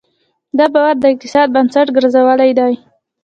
دا باور د اقتصاد بنسټ ګرځېدلی دی.